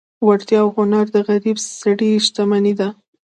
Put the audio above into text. وړتیا او هنر د غریب سړي شتمني ده.